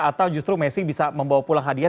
atau justru messi bisa membawa pulang hadiah